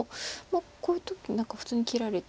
こういう時何か普通に切られて。